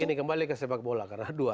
ini kembali ke sepak bola karena dua